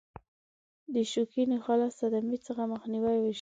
د شوکي نخاع له صدمې څخه مخنیوي وشي.